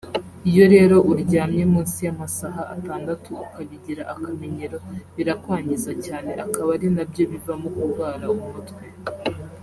Iyo rero uryamye munsi y’amasaha atandatu ukabigira akamenyero birakwangiza cyane akaba ari nabyo bivamo kurwara umutwe